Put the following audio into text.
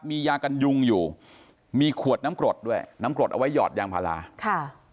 มียากันยุงอยู่มีขวดน้ำกรดด้วยน้ำกรดเอาไว้หอดยางพาราค่ะ